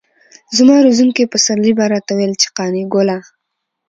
زما روزونکي پسرلي به راته ويل چې قانع ګله.